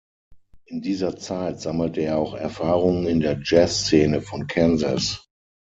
In dieser Zeit sammelt er auch Erfahrungen in der Jazz-Szene von Kansas.